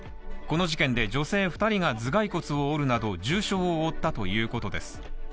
この事件で女性２人が頭蓋骨を折るなど重傷を負ったということです。